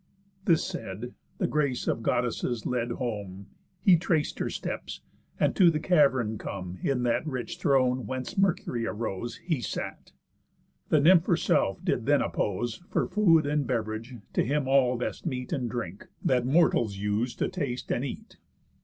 This said, the Grace of Goddesses led home, He trac'd her steps; and, to the cavern come, In that rich throne, whence Mercury arose, He sat. The Nymph herself did then appose, For food and bev'rage, to him all best meat And drink, that mortals use to taste and eat.